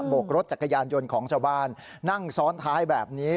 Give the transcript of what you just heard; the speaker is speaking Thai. กรถจักรยานยนต์ของชาวบ้านนั่งซ้อนท้ายแบบนี้